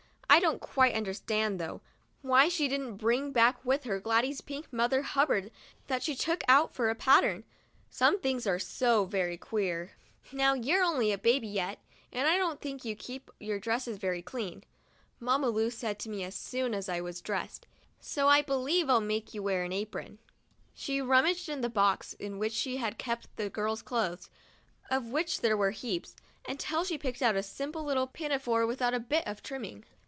I don't quite understand, though, why she didn't bring back with her Gladys's pink Mother Hubbard that she took out for a pattern. Some things are so very queer ! THE DIARY OF A BIRTHDAY DOLL " Now, you're only a baby yet, and I don't think you keep your dresses very clean," Mamma Lu said to me as soon as I was dressed; 'so I believe I'll make you wear an apron." She rummaged in the box in which she kept the girls' clothes, of which there were heaps, until she picked out a simple little pinafore without a bit of trimming.